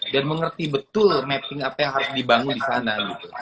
dan mengerti betul mapping apa yang harus dibangun disana